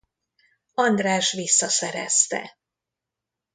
András visszaszerezte.